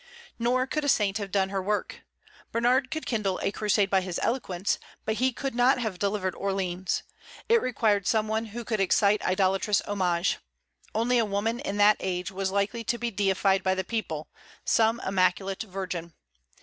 Nor could a saint have done her work. Bernard could kindle a crusade by his eloquence, but he could not have delivered Orleans; it required some one who could excite idolatrous homage. Only a woman, in that age, was likely to be deified by the people, some immaculate virgin.